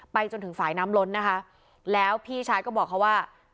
จนถึงฝ่ายน้ำล้นนะคะแล้วพี่ชายก็บอกเขาว่า